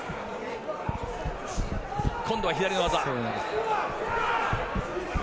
今度は左の技！